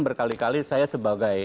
berkali kali saya sebagai